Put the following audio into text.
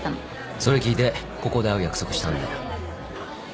それ聞いてここで会う約束したんだよ。